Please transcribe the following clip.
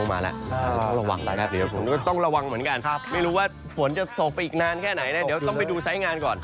ไม่รู้ว่าฝนจะตกไปอีกนานแค่ไหนต้องไปดูสายงานก่อน